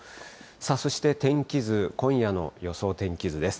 そして天気図、今夜の予想天気図です。